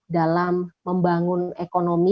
dalam membangun ekonomi